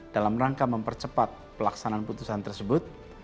dalam rangka mempercepat pelaksanaan putusan tersebut